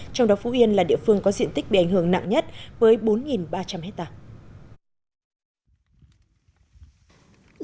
trong đó phú yên là địa phương có diện tích bị ảnh hưởng nặng nhất với bốn ba trăm linh hectare